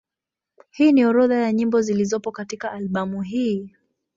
Hii ni orodha ya nyimbo zilizopo katika albamu hii.